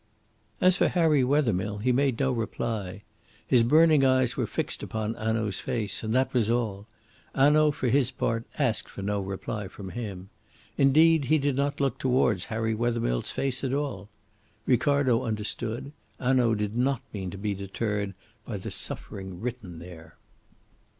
As for Harry Wethermill, he made no reply. His burning eyes were fixed upon Hanaud's face, and that was all. Hanaud, for his part, asked for no reply from him. Indeed, he did not look towards Harry Wethermill's face at all. Ricardo understood. Hanaud did not mean to be deterred by the suffering written there.